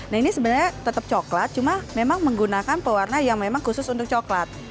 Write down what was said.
nah ini sebenarnya tetap coklat cuma memang menggunakan pewarna yang memang khusus untuk coklat